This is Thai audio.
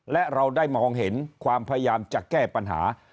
และเราได้มองเห็นความพยายามจะแก้ปัญหา